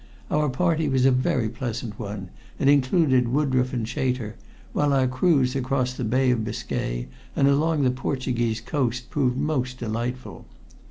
Our party was a very pleasant one, and included Woodroffe and Chater, while our cruise across the Bay of Biscay and along the Portuguese coast proved most delightful.